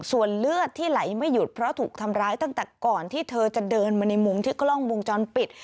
ส่วนเลือดที่ไหลไม่หยุดเพราะถูกทำร้ายตั้งแต่ก่อนที่เธอจะเดินมาในมุมที่กล้องวงจรปิด